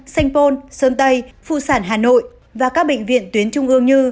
sanh pôn sơn tây phụ sản hà nội và các bệnh viện tuyến trung ương như